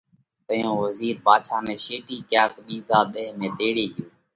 تئيون وزِير ڀاڌشا نئہ شيٽِي ڪياڪ ٻِيزا ۮيه ۾ تيڙي ڳيو